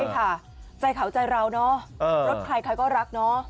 ใช่ค่ะใจเขาใจเราเนอะรถใครใครก็รักเนาะ